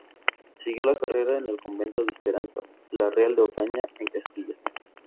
Siguió la carrera en el convento de Esperanza, la Real de Ocaña, en Castilla.